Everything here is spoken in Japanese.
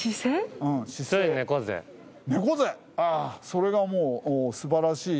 それがもう素晴らしい。